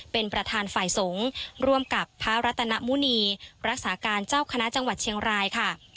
เป็นประธานฝ่ายสงฆ์ร่วมกับพระรัตนมุณีรักษาการเจ้าคณะจังหวัดเชียงรายค่ะ